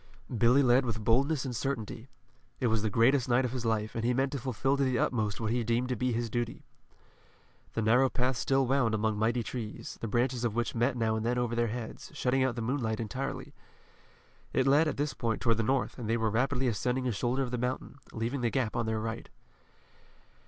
Billy led with boldness and certainty. It was the greatest night of his life, and he meant to fulfill to the utmost what he deemed to be his duty. The narrow path still wound among mighty trees, the branches of which met now and then over their heads, shutting out the moonlight entirely. It led at this point toward the north and they were rapidly ascending a shoulder of the mountain, leaving the Gap on their right.